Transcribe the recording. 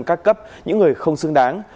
các cấp những người không xứng đáng